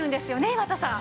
岩田さん。